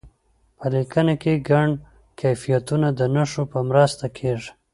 په لیکنه کې ګڼ کیفیتونه د نښو په مرسته کیږي.